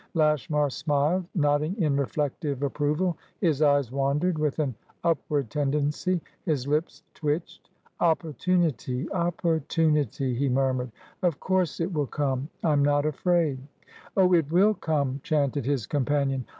Lashmar smiled, nodding in reflective approval. His eyes wandered, with an upward tendency; his lips twitched. "Opportunity, opportunity," he murmured. "Of course it will come. I'm not afraid." "Oh it will come!" chanted his companion.